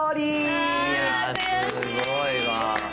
いやすごいわ。